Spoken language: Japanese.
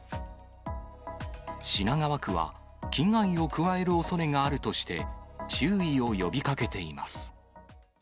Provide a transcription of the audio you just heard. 品川区は、危害を加えるおそれがあるとして、注意を呼びかけています。